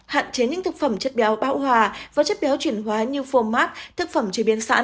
hạn chế những thực phẩm chất béo bão hòa và chất béo chuyển hóa như phun mát thực phẩm chế biến sẵn